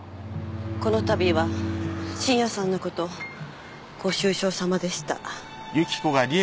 このたびは信也さんのことご愁傷さまでした。